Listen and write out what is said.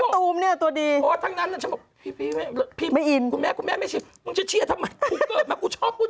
สมควรสัมภาษณ์ก็งั้น